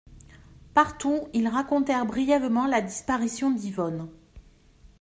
Partout ils racontèrent brièvement la disparition d'Yvonne.